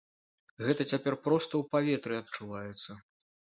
Гэта цяпер проста ў паветры адчуваецца.